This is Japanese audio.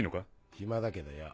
暇だけどよ。